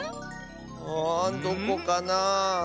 あどこかな？